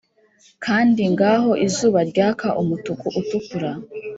kandi ngaho izuba ryaka umutuku utukura,